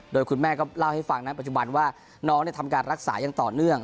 โดยคุณแม่ก็เล่าให้ฟังนะปัจจุบันว่าน้องทำการรักษาอย่างต่อเนื่อง